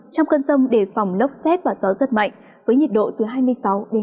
trong cơn rông để phòng lốc xét và gió rất mạnh với nhiệt độ từ hai mươi sáu ba mươi sáu độ